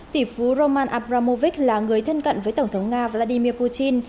tỷ phú roman abramovich là người thân cận với tổng thống nga vladimir putin